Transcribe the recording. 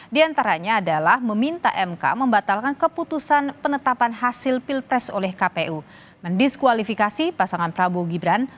di antaranya adalah meminta mk membatalkan keputusan penetapan hasil pilpres oleh kpu mendiskualifikasi pasangan prabowo gibran